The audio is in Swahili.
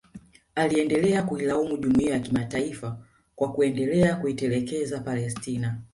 Aliendelea kuilaumu Jumuiya ya kimataifa kwa kuendelea kuitelekeza Palestina